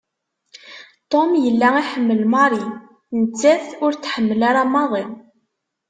Tom yella iḥemmel Marie, nettat ur t-tḥemmel ara maḍi.